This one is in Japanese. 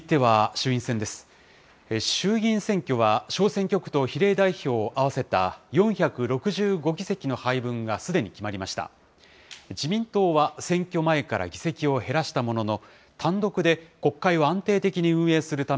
衆議院選挙は、小選挙区と比例代表を合わせた４６５議席の配分がすでに決まりました。